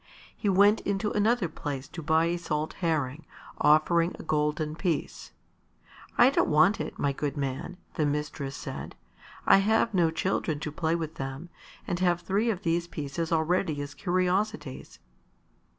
He went into another place to buy a salt herring, offering a golden piece. "I don't want it, my good man," the mistress said. "I have no children to play with them, and have three of these pieces already as curiosities."